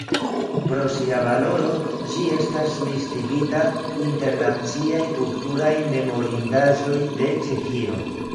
Pro sia valoro ĝi estas listigita inter Naciaj kulturaj memorindaĵoj de Ĉeĥio.